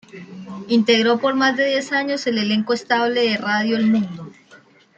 Integró por más de diez años el elenco estable de Radio El Mundo.